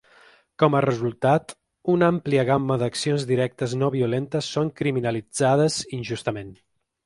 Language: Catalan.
Com a resultat, una àmplia gamma d’accions directes no violentes són criminalitzades injustament.